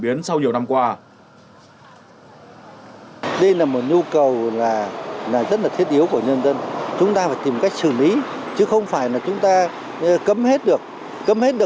và để đáp ứng nhu cầu thiết yếu trong những ngày này của người dân đó là gửi xe vào lễ chùa